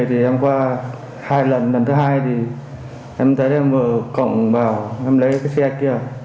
thì em qua hai lần lần thứ hai thì em thấy em mở cổng vào em lấy cái xe kia